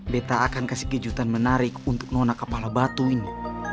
beta akan kasih kejutan menarik untuk nona kepala batu ini